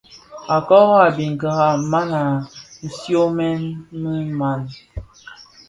Koro a biňkira, man a siionèn mii maa.